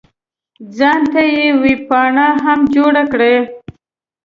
ځان ته یې ویبپاڼه هم جوړه کړې.